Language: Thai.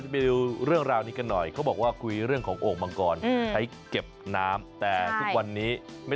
ไปดูเรื่องราวนี้กันหน่อยเขาบอกว่าคุยเรื่องของโอ่งมังกรใช้เก็บน้ำแต่ทุกวันนี้ไม่